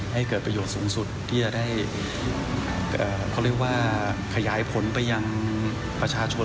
ให้เกิดประโยชน์สูงสุดที่จะได้ขยายผลไปยังประชาชน